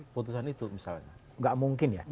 putusan itu misalnya nggak mungkin ya